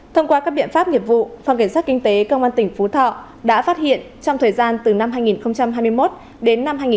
thông qua các biện pháp nghiệp vụ phòng cảnh sát kinh tế công an tỉnh phú thọ đã phát hiện trong thời gian từ năm hai nghìn hai mươi một đến năm hai nghìn hai mươi ba